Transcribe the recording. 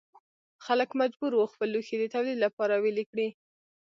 خلک مجبور وو خپل لوښي د تولید لپاره ویلې کړي.